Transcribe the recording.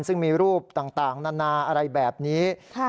ซึ่งมีรูปต่างนานาอะไรแบบนี้